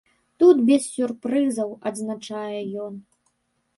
Тут без сюрпрызаў, адзначае ён.